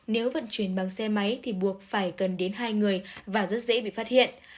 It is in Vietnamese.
nếu vận chuyển bằng xe máy thì buộc phải cần đến hai người và rất dễ bị phát hiện